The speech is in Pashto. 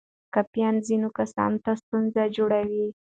کافین ځینو کسانو ته ستونزه جوړوي.